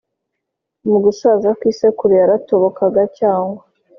mu gusaza kw’isekuru yaratobokaga cyangwa